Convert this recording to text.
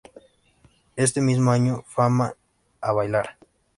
Este mismo año Fama, ¡a bailar!